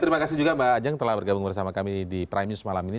terima kasih juga mbak ajeng telah bergabung bersama kami di prime news malam ini